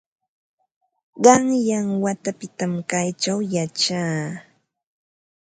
Qanyan watapitam kaćhaw yachaa.